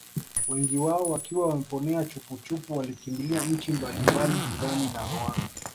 Wengi wao wakiwa Wameponea chupuchupu walikimbilia nchi mbalimbali jirani na Rwanda